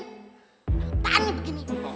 tahan nih begini